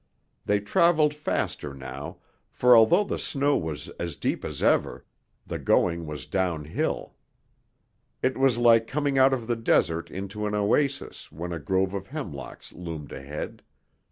They traveled faster now, for although the snow was as deep as ever, the going was downhill. It was like coming out of the desert into an oasis when a grove of hemlocks loomed ahead.